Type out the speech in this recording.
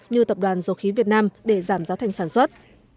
như tập đoàn dầu khí việt nam để giảm giá thành sản xuất